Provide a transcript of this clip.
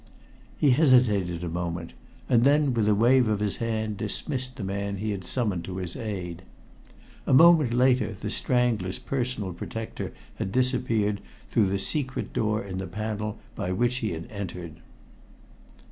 He hesitated a moment, and then with a wave of his hand dismissed the man he had summoned to his aid. A moment later the "Strangler's" personal protector had disappeared through that secret door in the paneling by which he had entered.